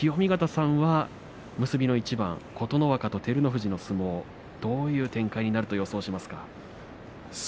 結びの一番琴ノ若と照ノ富士の相撲どういう展開になると予想しますか。